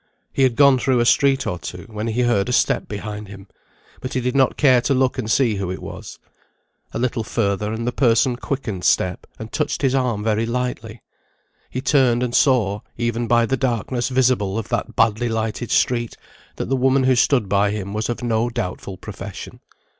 He had gone through a street or two, when he heard a step behind him; but he did not care to look and see who it was. A little further, and the person quickened step, and touched his arm very lightly. He turned, and saw, even by the darkness visible of that badly lighted street, that the woman who stood by him was of no doubtful profession.